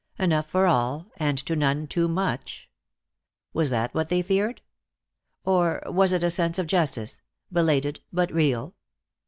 Enough for all, and to none too much. Was that what they feared? Or was it a sense of justice, belated but real?